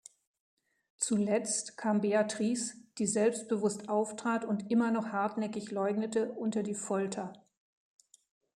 Zuletzt kam Beatrice, die selbstbewusst auftrat und immer noch hartnäckig leugnete, unter die Folter.